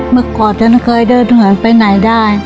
เมื่อก่อนฉันเคยเดินเหินไปไหนได้